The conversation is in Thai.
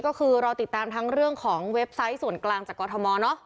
ก็คือรอติดตามทั้งเรื่องของเว็บไซต์ส่วนกลางจากกรทมเนาะ